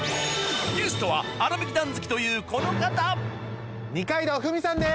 あらびき団好きというこの方二階堂ふみさんです